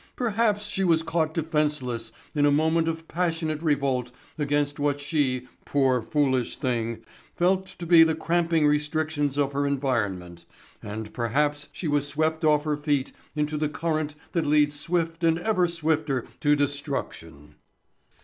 Perhaps she was caught defenseless in a moment of passionate revolt against what she, poor foolish thing, felt to be the cramping restrictions of her environment, and perhaps she was swept off her feet into the current that leads swift and ever swifter to destruction.